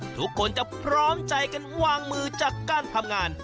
ทุกคนจะพร้อมใจกันวางมือจากการทำงาน